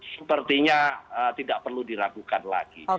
sepertinya tidak perlu diragukan lagi